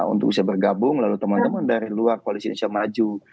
untuk bisa bergabung lalu teman teman dari luar koalisi indonesia maju